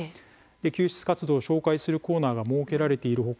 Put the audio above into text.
救出活動を紹介するコーナーが設けられている他